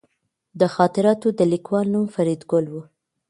د خاطراتو د لیکوال نوم فریدګل و